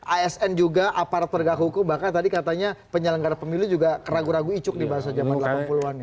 asn juga aparat pergah hukum bahkan tadi katanya penyelenggara pemilih juga ragu ragu icuk di masa jaman delapan puluh an